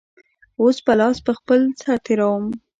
اوس به لاس په خپل سر تېروم.